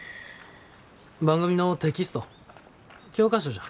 番組のテキスト教科書じゃ。